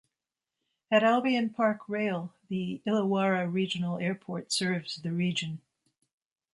At Albion Park Rail the Illawarra Regional Airport serves the region.